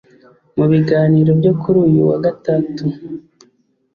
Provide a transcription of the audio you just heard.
Mu biganiro byo kuri uyu wa Gatatu